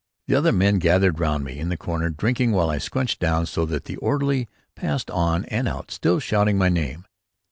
The other men gathered round me in the corner, drinking, while I scrunched down so that the orderly passed on and out still shouting my name.